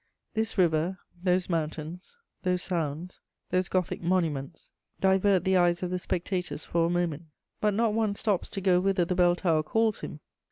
This river, those mountains, those sounds, those Gothic monuments, divert the eyes of the spectators for a moment; but not one stops to go whither the bell tower calls him.